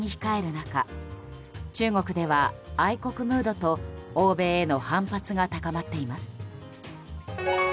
中国では愛国ムードと欧米への反発が高まっています。